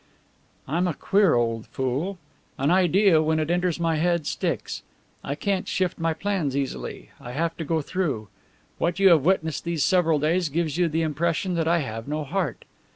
"I'm a queer old fool. An idea, when it enters my head, sticks. I can't shift my plans easily; I have to go through. What you have witnessed these several days gives you the impression that I have no heart.